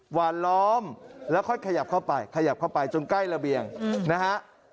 หวานล้อมแล้วค่อยขยับเข้าไปขยับเข้าไปจนใกล้ระเบียงนะฮะ